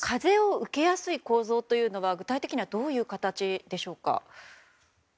風を受けやすい構造とは具体的にはどういう形でしょうか。